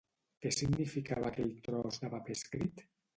Què significava aquell tros de paper escrit?